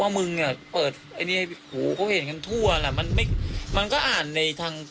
มึงเนี่ยเปิดไอ้เนี้ยหูเขาเห็นกันทั่วแหละมันไม่มันก็อ่านในทาง